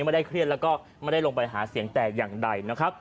ไม่ได้เครียดแล้วก็ไม่ได้ลงไปหาเสียงแต่อย่างใดนะครับ